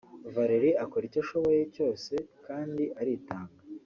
Valeria akora icyo ashoboye cyose kandi aritanga